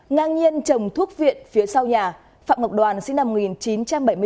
ngang nhiên trồng thuốc viện phía sau nhà phạm ngọc đoàn sinh năm một nghìn chín trăm bảy mươi bốn